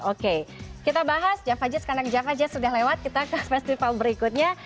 oke kita bahas java jazz karena java jazz sudah lewat kita ke festival berikutnya